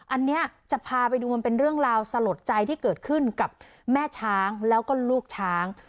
อันนี้จะพาไปดูมันเป็นเรื่องราวสลดใจที่เกิดขึ้นกับแม่ช้างแล้วก็ลูกช้าง